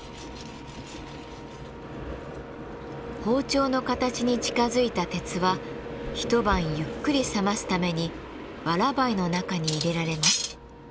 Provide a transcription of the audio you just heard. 包丁の形に近づいた鉄は一晩ゆっくり冷ますためにわら灰の中に入れられます。